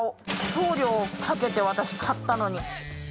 送料かけて私買ったのに。